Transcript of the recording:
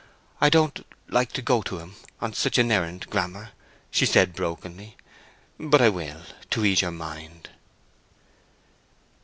"I don't like to go to him on such an errand, Grammer," she said, brokenly. "But I will, to ease your mind."